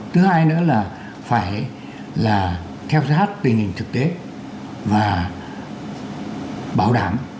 thứ hai nữa là phải là theo dắt tình hình thực tế và bảo đảm